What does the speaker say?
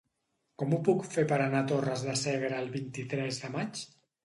Com ho puc fer per anar a Torres de Segre el vint-i-tres de maig?